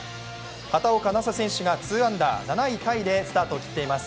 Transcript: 畑岡奈紗選手が２アンダー７位タイでスタートを切っています